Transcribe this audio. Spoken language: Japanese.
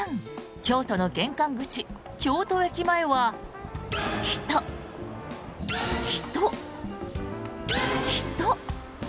京都の玄関口、京都駅前は人、人、人。